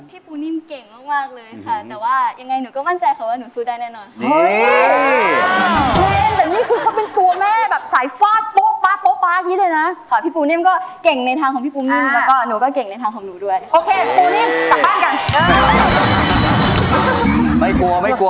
ปูนิ่มเก่งมากเลยค่ะแต่ว่ายังไงหนูก็มั่นใจค่ะว่าหนูสู้ได้แน่นอนค่ะ